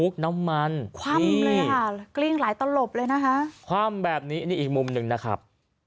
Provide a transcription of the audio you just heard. คว่ำแบบนี้นี่อีกมุมหนึ่งนะครับ